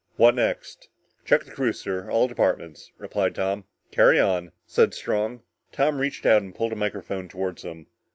"What next?" "Check the crew, sir all departments " replied Tom. "Carry on," said Strong. Tom reached out and pulled a microphone toward him.